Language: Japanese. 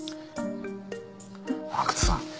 阿久津さん